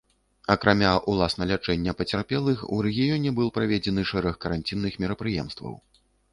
Акрамя ўласна лячэння пацярпелых, у рэгіёне быў праведзены шэраг каранцінных мерапрыемстваў.